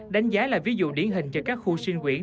đánh giá là ví dụ điển hình cho các khu sinh quyền